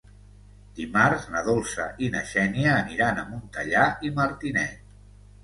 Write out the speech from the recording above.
Dimarts na Dolça i na Xènia aniran a Montellà i Martinet.